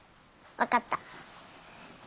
分かった。